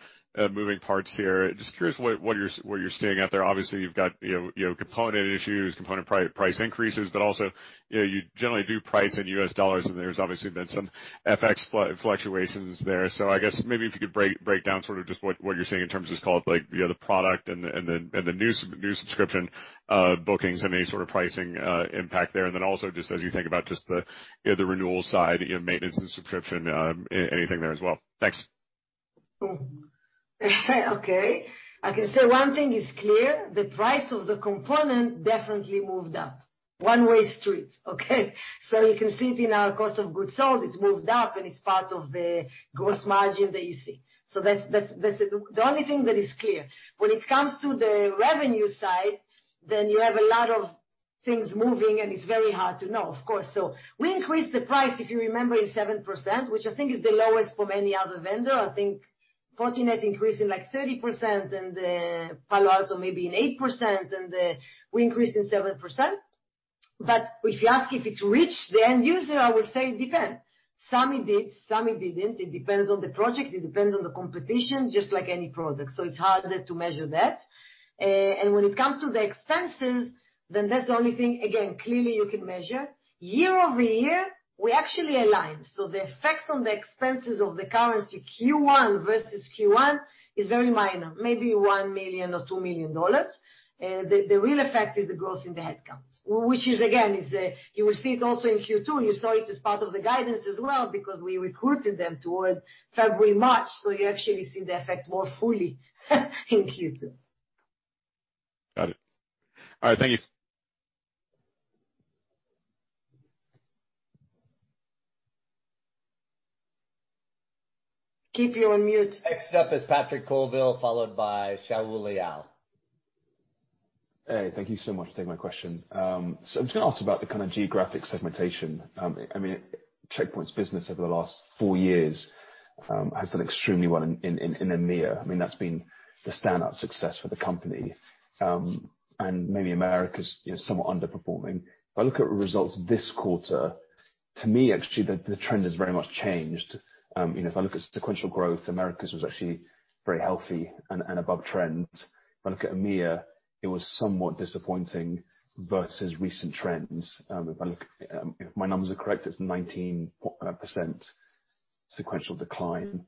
Speaker 7: moving parts here. Just curious what you're seeing out there. Obviously, you've got, you know, component issues, component price increases, but also, you know, you generally do price in U.S. dollars, and there's obviously been some FX fluctuations there. I guess maybe if you could break down sort of just what you're seeing in terms of just call it like, you know, the product and the new subscription bookings and any sort of pricing impact there. Just as you think about just the renewal side, you know, maintenance and subscription, anything there as well. Thanks.
Speaker 2: Okay. I can say one thing is clear, the price of the component definitely moved up. One way street, okay? You can see it in our cost of goods sold, it's moved up, and it's part of the gross margin that you see. That's the only thing that is clear. When it comes to the revenue side, you have a lot of things moving, and it's very hard to know, of course. We increased the price, if you remember, in 7%, which I think is the lowest from any other vendor. I think Fortinet increased it, like, 30% and Palo Alto maybe in 8%, and. We increased in 7%. If you ask if it's reached the end user, I would say it depends. Some it did, some it didn't. It depends on the project, it depends on the competition, just like any product. It's harder to measure that. When it comes to the expenses, then that's the only thing, again, clearly you can measure. Year-over-year, we actually aligned. The effect on the expenses of the currency Q1 versus Q1 is very minor, maybe $1 million or $2 million. The real effect is the growth in the headcount, which is again, you will see it also in Q2. You saw it as part of the guidance as well, because we recruited them towards February, March, so you actually see the effect more fully in Q2.
Speaker 7: Got it. All right, thank you.
Speaker 2: Keep you on mute.
Speaker 1: Next up is Patrick Colville, followed by Shaul Eyal.
Speaker 8: Hey, thank you so much for taking my question. So I'm just gonna ask about the kind of geographic segmentation. I mean, Check Point's business over the last four years has done extremely well in EMEA. I mean, that's been the standout success for the company. Maybe America's, you know, somewhat underperforming. If I look at results this quarter, to me actually, the trend has very much changed. You know, if I look at sequential growth, Americas was actually very healthy and above trend. If I look at EMEA, it was somewhat disappointing versus recent trends. If my numbers are correct, it's 19% sequential decline.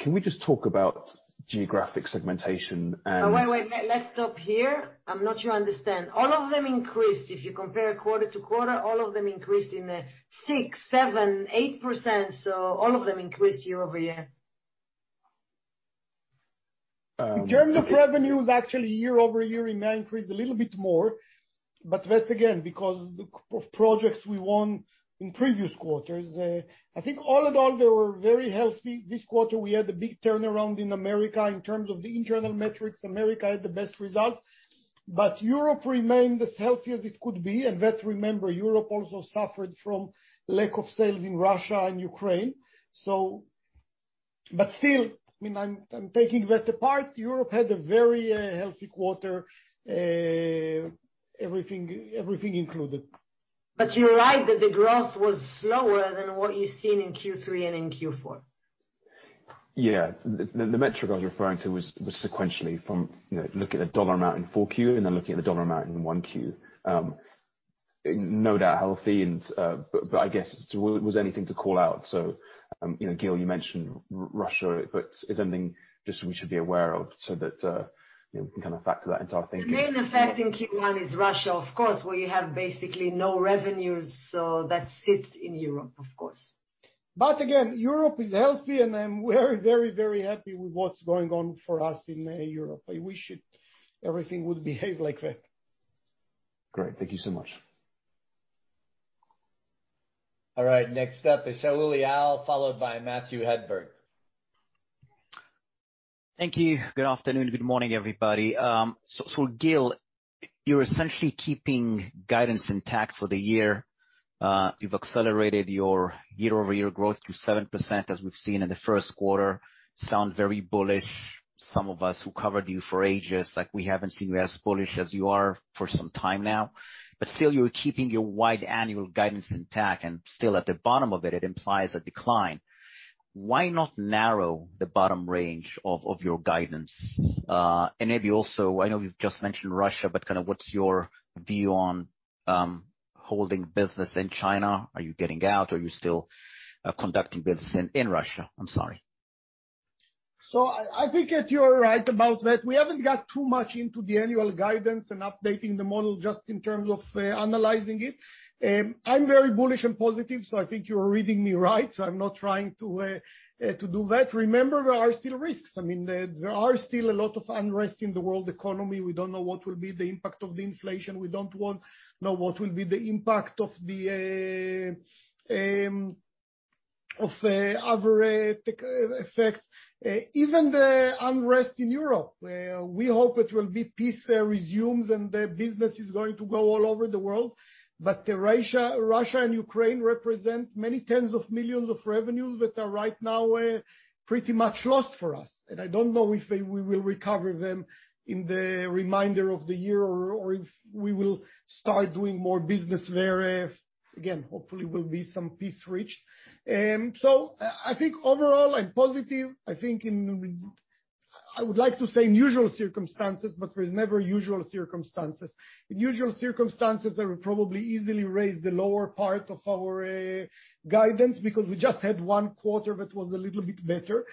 Speaker 8: Can we just talk about geographic segmentation and-
Speaker 2: Oh, wait. Let's stop here. I'm not sure I understand. All of them increased. If you compare quarter-over-quarter, all of them increased in 6%, 7%, 8%. All of them increased year-over-year.
Speaker 8: Okay.
Speaker 3: In terms of revenues, actually year-over-year it may increase a little bit more. That's again, because of the projects we won in previous quarters. I think all in all, they were very healthy. This quarter we had a big turnaround in America. In terms of the internal metrics, America had the best results. Europe remained as healthy as it could be, and let's remember, Europe also suffered from lack of sales in Russia and Ukraine. Still, I mean, I'm taking that apart, Europe had a very healthy quarter, everything included.
Speaker 2: You're right that the growth was slower than what you've seen in Q3 and in Q4.
Speaker 8: Yeah. The metric I was referring to was sequentially from, you know, looking at the dollar amount in 4Q and then looking at the dollar amount in 1Q. No doubt healthy, but I guess, was anything to call out? You know, Gil, you mentioned Russia, but is there anything just we should be aware of so that, you know, we can kind of factor that into our thinking?
Speaker 2: The main effect in Q1 is Russia, of course, where you have basically no revenues, so that sits in Europe, of course.
Speaker 3: Again, Europe is healthy and I'm very, very, very happy with what's going on for us in Europe. I wish everything would behave like that.
Speaker 8: Great. Thank you so much.
Speaker 1: All right, next up is Shaul Eyal, followed by Matthew Hedberg.
Speaker 9: Thank you. Good afternoon, good morning, everybody. Gil, you're essentially keeping guidance intact for the year. You've accelerated your year-over-year growth to 7% as we've seen in the first quarter. Sounds very bullish, some of us who covered you for ages, like, we haven't seen you as bullish as you are for some time now. Still you're keeping your wide annual guidance intact and still at the bottom of it implies a decline. Why not narrow the bottom range of your guidance? Maybe also, I know you've just mentioned Russia, but kinda what's your view on holding business in China? Are you getting out? Are you still conducting business in Russia? I'm sorry.
Speaker 3: I think that you are right about that. We haven't got too much into the annual guidance and updating the model just in terms of analyzing it. I'm very bullish and positive, so I think you are reading me right. I'm not trying to do that. Remember, there are still risks. I mean, there are still a lot of unrest in the world economy. We don't know what will be the impact of the inflation. We don't know what will be the impact of the other effects. Even the unrest in Europe, we hope it will be peace resumes and the business is going to go all over the world. Russia and Ukraine represent many tens of millions of revenue that are right now pretty much lost for us. I don't know if we will recover them in the remainder of the year or if we will start doing more business there, hopefully some peace will be reached. I think overall I'm positive. I would like to say in usual circumstances, but there's never usual circumstances. In usual circumstances, I would probably easily raise the lower part of our guidance because we just had one quarter that was a little bit better.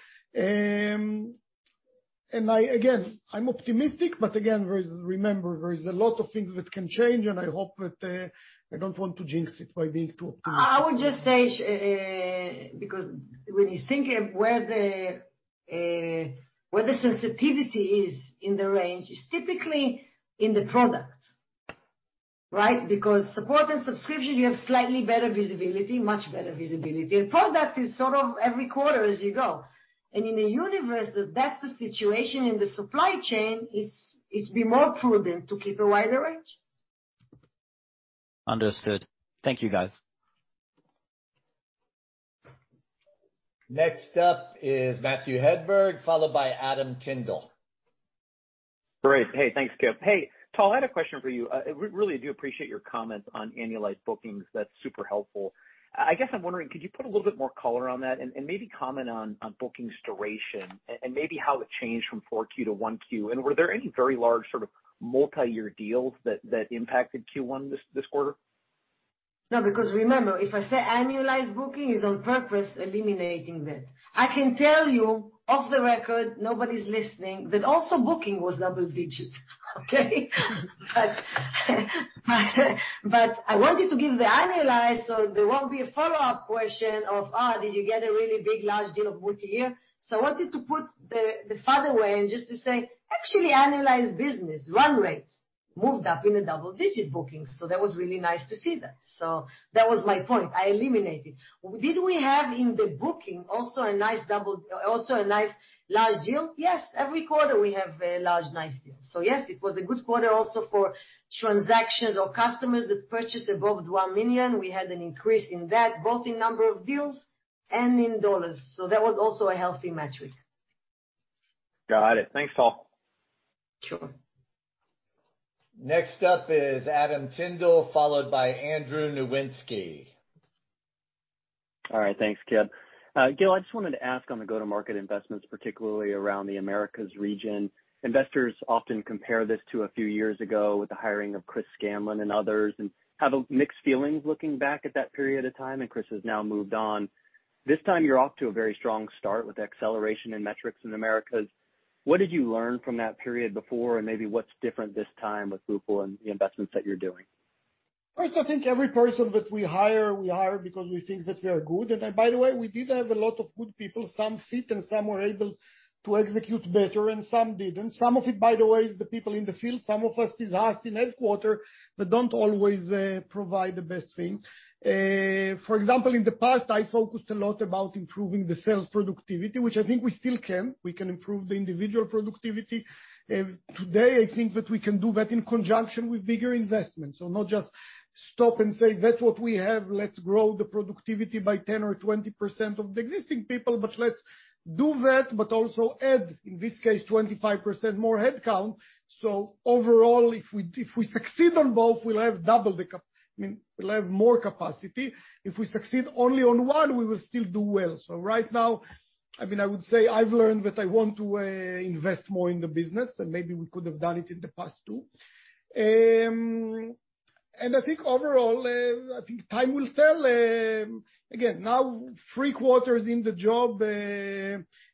Speaker 3: I again, I'm optimistic, but again, there is a lot of things that can change, and I hope that I don't want to jinx it by being too optimistic.
Speaker 2: I would just say, because when you think of where the sensitivity is in the range, it's typically in the product, right? Because support and subscription, you have slightly better visibility, much better visibility. In product is sort of every quarter as you go. In a universe that's the situation in the supply chain, it's be more prudent to keep a wider range.
Speaker 9: Understood. Thank you, guys.
Speaker 1: Next up is Matthew Hedberg, followed by Adam Tindle.
Speaker 10: Great. Hey, thanks, Kip. Hey, Tal, I had a question for you. We really do appreciate your comments on annualized bookings. That's super helpful. I guess I'm wondering, could you put a little bit more color on that and maybe comment on bookings duration and maybe how it changed from 4Q to 1Q? Were there any very large sort of multi-year deals that impacted Q1 this quarter?
Speaker 2: No, because remember, if I say annualized booking, it's on purpose eliminating that. I can tell you off the record, nobody's listening, that also booking was double digits. Okay? I wanted to give the annualized so there won't be a follow-up question of, did you get a really big large deal of multi-year? I wanted to put the farther away and just to say, actually annualized business run rate moved up in the double-digit bookings. That was really nice to see that. That was my point. I eliminate it. Did we have in the booking also a nice large deal? Yes. Every quarter we have a large nice deal. Yes, it was a good quarter also for transactions or customers that purchase above $1 million. We had an increase in that, both in number of deals and in dollars. That was also a healthy metric.
Speaker 10: Got it. Thanks, Tal.
Speaker 2: Sure.
Speaker 1: Next up is Adam Tindle, followed by Andrew Nowinski.
Speaker 11: All right. Thanks, Kip. Gil, I just wanted to ask on the go-to-market investments, particularly around the Americas region. Investors often compare this to a few years ago with the hiring of Chris Scanlan and others, and have a mixed feeling looking back at that period of time, and Chris has now moved on. This time you're off to a very strong start with acceleration and metrics in Americas. What did you learn from that period before? Maybe what's different this time with Rupal and the investments that you're doing?
Speaker 3: First, I think every person that we hire, we hire because we think that they are good. By the way, we did have a lot of good people. Some fit and some were able to execute better and some didn't. Some of it, by the way, is the people in the field. Some of it is us in headquarters, but don't always provide the best things. For example, in the past, I focused a lot about improving the sales productivity, which I think we still can. We can improve the individual productivity. Today, I think that we can do that in conjunction with bigger investments. Not just stop and say, "That's what we have. Let's grow the productivity by 10% or 20% of the existing people, but let's do that, but also add, in this case, 25% more head count." Overall, if we succeed on both, we'll have more capacity. If we succeed only on one, we will still do well. Right now, I mean, I would say I've learned that I want to invest more in the business, and maybe we could have done it in the past too. I think overall, I think time will tell. Again, now three quarters in the job,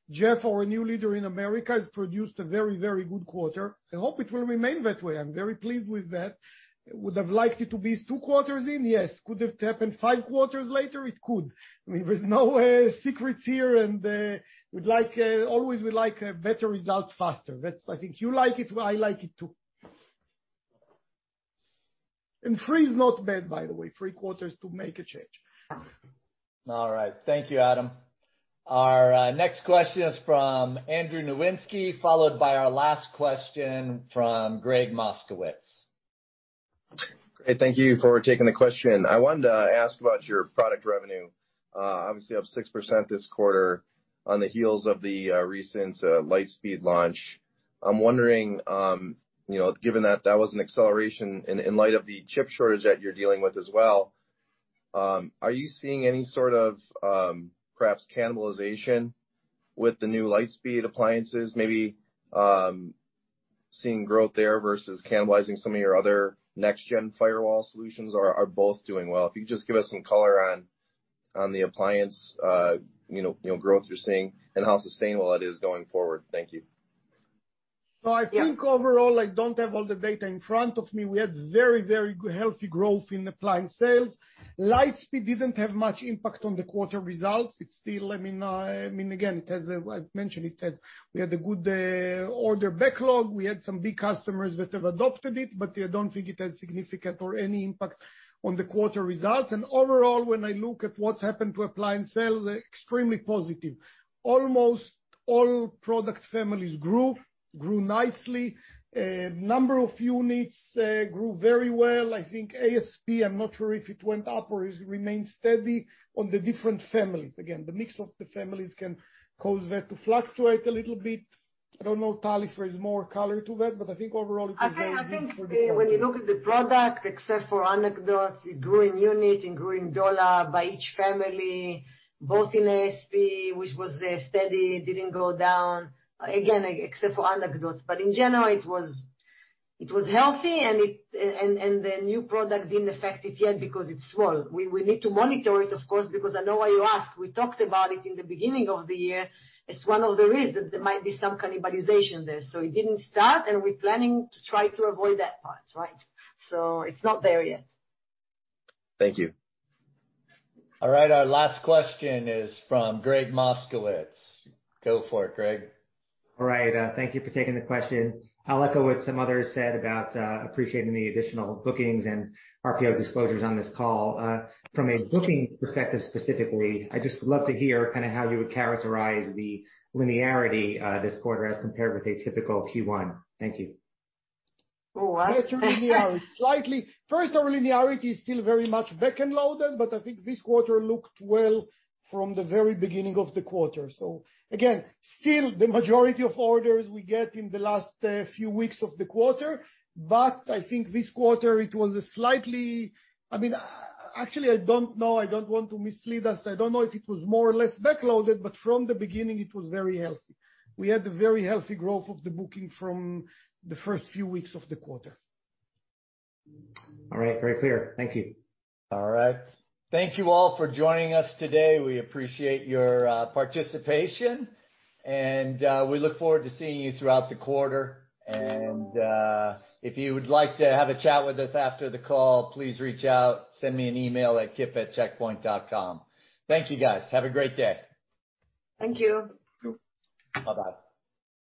Speaker 3: Jeff, our new leader in America, has produced a very, very good quarter. I hope it will remain that way. I'm very pleased with that. Would have liked it to be two quarters in? Yes. Could it have happened five quarters later? It could. I mean, there's no secrets here, and we'd always like better results faster. That's. I think you like it. Well, I like it, too. Three is not bad, by the way, three quarters to make a change.
Speaker 1: All right. Thank you, Adam. Our next question is from Andrew Nowinski, followed by our last question from Gregg Moskowitz.
Speaker 12: Great. Thank you for taking the question. I wanted to ask about your product revenue, obviously up 6% this quarter on the heels of the recent Lightspeed launch. I'm wondering, you know, given that that was an acceleration in light of the chip shortage that you're dealing with as well, are you seeing any sort of perhaps cannibalization with the new Lightspeed appliances? Maybe seeing growth there versus cannibalizing some of your other next gen firewall solutions, or are both doing well? If you could just give us some color on the appliance growth you're seeing and how sustainable it is going forward. Thank you.
Speaker 2: Yeah.
Speaker 3: I think overall, I don't have all the data in front of me. We had very healthy growth in appliance sales. Lightspeed didn't have much impact on the quarter results. It's still, I mean, again. We had a good order backlog. We had some big customers that have adopted it, but I don't think it has significant or any impact on the quarter results. Overall, when I look at what's happened to appliance sales, extremely positive. Almost all product families grew nicely. A number of units grew very well. I think ASP, I'm not sure if it went up or it remains steady on the different families. Again, the mix of the families can cause that to fluctuate a little bit. I don't know, Tal, if there is more color to that, but I think overall it was a good quarter.
Speaker 2: I think when you look at the product, except for anecdotes, it grew in unit, it grew in dollar by each family, both in ASP, which was steady, it didn't go down. Again, except for anecdotes. In general, it was healthy and the new product didn't affect it yet because it's small. We need to monitor it, of course, because I know why you asked. We talked about it in the beginning of the year. It's one of the reasons there might be some cannibalization there. It didn't start, and we're planning to try to avoid that part, right? It's not there yet.
Speaker 11: Thank you.
Speaker 1: All right. Our last question is from Gregg Moskowitz. Go for it, Greg.
Speaker 13: All right. Thank you for taking the question. I'll echo what some others said about appreciating the additional bookings and RPO disclosures on this call. From a booking perspective, specifically, I just would love to hear kinda how you would characterize the linearity this quarter as compared with a typical Q1. Thank you.
Speaker 2: What?
Speaker 3: First, our linearity is still very much back-end loaded, but I think this quarter booked well from the very beginning of the quarter. Again, still the majority of orders we get in the last few weeks of the quarter, but I think this quarter, I mean, actually, I don't know. I don't want to mislead us. I don't know if it was more or less backloaded, but from the beginning, it was very healthy. We had a very healthy growth of the booking from the first few weeks of the quarter.
Speaker 10: All right. Very clear. Thank you.
Speaker 1: All right. Thank you all for joining us today. We appreciate your participation, and we look forward to seeing you throughout the quarter. If you would like to have a chat with us after the call, please reach out. Send me an email at kip@checkpoint.com. Thank you, guys. Have a great day.
Speaker 2: Thank you.
Speaker 3: Thank you.
Speaker 1: Bye-bye.